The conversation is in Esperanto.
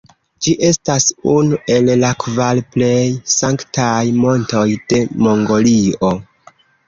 Ĝi estas unu el la kvar plej sanktaj montoj de Mongolio.